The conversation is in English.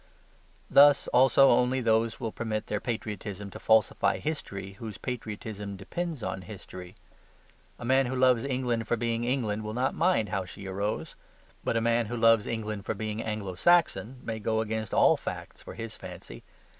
Thus also only those will permit their patriotism to falsify history whose patriotism depends on history. A man who loves England for being English will not mind how she arose. But a man who loves England for being Anglo Saxon may go against all facts for his fancy.